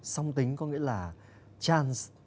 song tính có nghĩa là chance